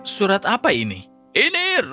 surat apa ini